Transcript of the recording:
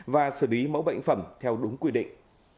và xử lý mẫu bệnh phẩm theo đúng quy định